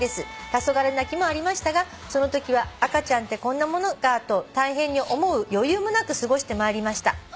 「たそがれ泣きもありましたがそのときは赤ちゃんってこんなものかと大変に思う余裕もなく過ごしてまいりました」